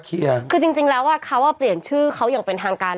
คือจริงแล้วอ่ะเขาเปลี่ยนชื่อเขาอย่างเป็นทางการ